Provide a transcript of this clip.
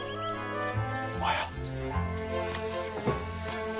おはよう。